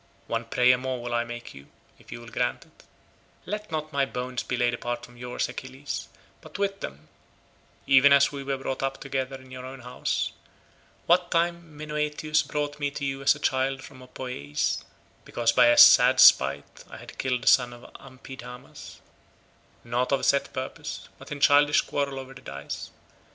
"One prayer more will I make you, if you will grant it; let not my bones be laid apart from yours, Achilles, but with them; even as we were brought up together in your own home, what time Menoetius brought me to you as a child from Opoeis because by a sad spite I had killed the son of Amphidamas—not of set purpose, but in childish quarrel over the dice.